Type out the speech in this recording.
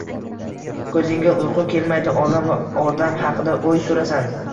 Koʻzingga uyqu kelmaydi, olam va odam haqida oʻy surasan